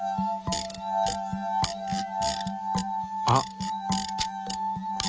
あっ！